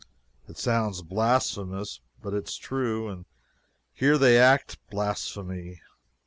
It sounds blasphemous, but it is true, and here they act blasphemy.